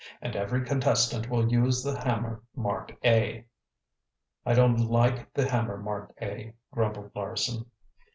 "And every contestant will use the hammer marked A." "I don't like the hammer marked A," grumbled Larson.